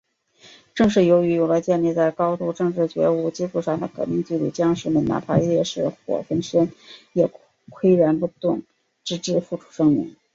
正是由于有了建立在高度政治觉悟基础上的革命纪律，将士们……哪怕烈火焚身，也岿然不动，直至付出生命。